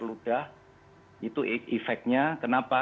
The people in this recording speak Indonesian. ludah itu efeknya kenapa